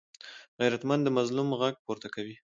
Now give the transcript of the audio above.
غیرتمند د مظلوم غږ پورته کوي